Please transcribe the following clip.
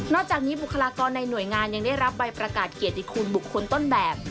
จากนี้บุคลากรในหน่วยงานยังได้รับใบประกาศเกียรติคุณบุคคลต้นแบบ